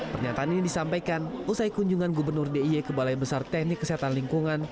pernyataan ini disampaikan usai kunjungan gubernur d i y ke balai besar teknik kesehatan lingkungan